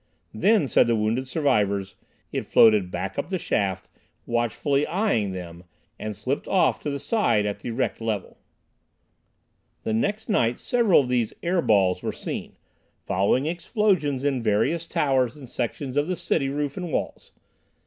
Then, said the wounded survivors, it floated back up the shaft, watchfully "eyeing" them, and slipped off to the side at the wrecked level. The next night several of these "air balls" were seen, following explosions in various towers and sections of the city roof and walls.